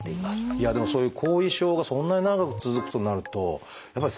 いやでもそういう後遺症がそんなに長く続くとなるとやっぱり生活とかね